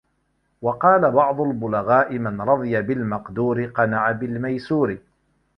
وَقَالَ بَعْضُ الْبُلَغَاءِ مَنْ رَضِيَ بِالْمَقْدُورِ قَنَعَ بِالْمَيْسُورِ